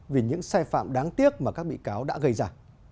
vì những sai phạm đáng tiếc mà các bị cáo đã gây ra